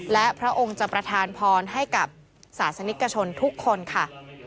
และพระองค์จะประธานพรให้กับศาสนิกชนทุกคนค่ะ